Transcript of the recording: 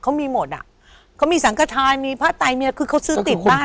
เค้ามีหมดอะเค้ามีสังกะทายมีผ้าไตคือเค้าซื้อติดบ้าน